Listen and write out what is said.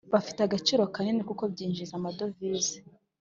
bifite agaciro kanini kuko byinjiza amadovize,